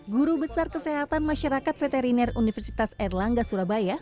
guru besar kesehatan masyarakat veteriner universitas erlangga surabaya